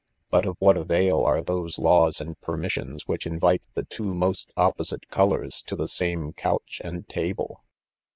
But of what avail are those laws and permissions •which invite the two most opposite colours to the same couch and ta ble